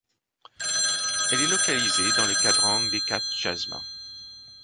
Elle est localisée dans le quadrangle d'Hecate Chasma.